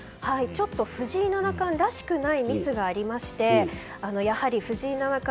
ちょっと藤井七冠らしくないミスがありましてやはり藤井七冠